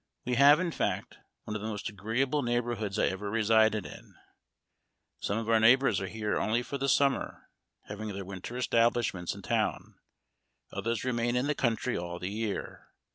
We have, in fact, one of the most agreeable neigh borhoods I ever resided in. Some of our neigh bors are here only for the summer, having their winter establishments in town ; others remain in the country all the year.